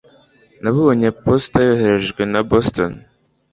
Nabonye posita yoherejwe na Boston